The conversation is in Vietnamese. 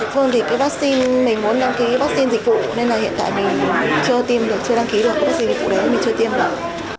vâng thì cái vaccine mình muốn đăng ký vaccine dịch vụ nên là hiện tại mình chưa tiêm được chưa đăng ký được các dịch vụ đấy mình chưa tiêm được